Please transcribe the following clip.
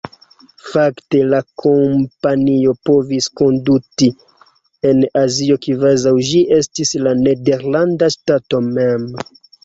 Fakte la kompanio povis konduti en Azio kvazaŭ ĝi estis la nederlanda ŝtato mem.